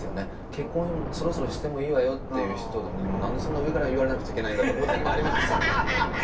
結婚そろそろしてもいいわよっていう人に何でそんな上から言われなくちゃいけないんだろうと思うときもありますし。